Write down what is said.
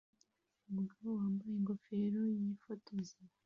Umugabo wambaye ingofero yifotoza